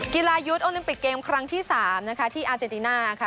กีฬายุทธ์โอลิมปิกเกมครั้งที่๓นะคะที่อาเจติน่าค่ะ